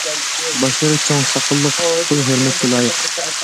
باشلىرى چوڭ ساقاللىق، خۇشخۇي، ھۆرمەتكە لايىق.